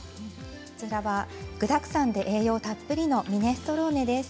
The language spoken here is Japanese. こちらは具だくさんで栄養たっぷりのミネストローネです。